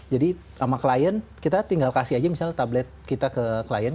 jadi sama klien kita tinggal kasih aja misalnya tablet kita ke klien